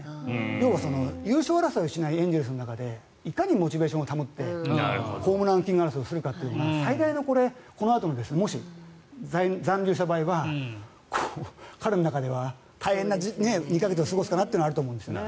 要は、優勝争いをしないエンゼルスの中でいかにモチベーションを保ってホームラン王争いをするかというのが最大の、このあとのもし残留した場合は彼の中では大変な２か月を過ごすかなというのはあると思うんですね。